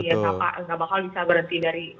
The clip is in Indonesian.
ya nggak bakal bisa berhenti dari